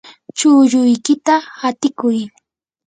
chulluykita hatikuy.